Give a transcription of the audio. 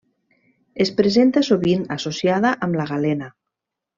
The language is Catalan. Es presenta sovint associada amb la galena.